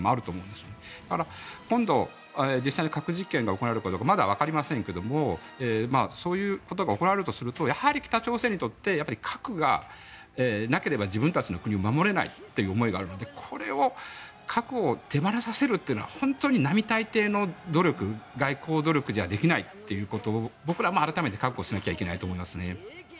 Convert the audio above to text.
だから、今度、実際に核実験が行われるかどうかまだわかりませんがそういうことが行われるとするとやはり北朝鮮にとって核がなければ自分たちの国を守れないという思いがあるのでこれを核を手放させるというのは本当に並大抵の努力外交努力じゃできないということを僕らも改めて覚悟しないといけないと思います。